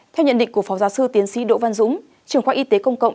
theo nhận định của phó giáo sư tiến sĩ đỗ văn dũng trưởng khoa y tế công cộng